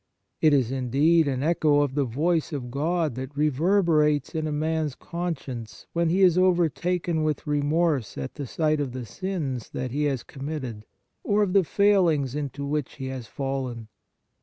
It is, indeed, an echo of the voice of God that reverberates in a man s conscience when he is overtaken with remorse at the sight of the sins that he has committed or of the failings into which he has fallen.